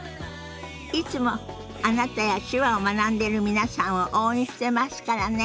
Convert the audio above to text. いつもあなたや手話を学んでる皆さんを応援してますからね。